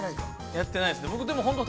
◆やってないです。